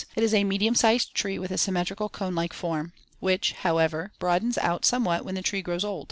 It is a medium sized tree with a symmetrical, cone like form, Fig. 11, which, however, broadens out somewhat when the tree grows old.